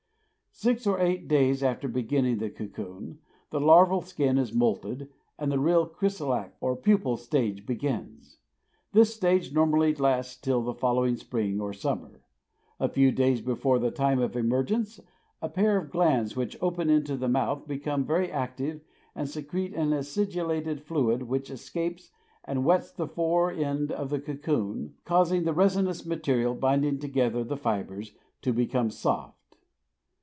Six or eight days after beginning the cocoon, the larval skin is moulted and the real chrysalic or pupal stage begins. This stage normally lasts till the following spring or summer. A few days before the time of emergence a pair of glands which open into the mouth become very active and secrete an acidulated fluid which escapes and wets the fore end of the cocoon, causing the resinous material binding together the fibres to become soft.